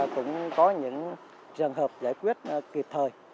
cũng có những trường hợp giải quyết kịp thời